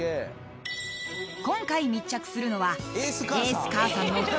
［今回密着するのは］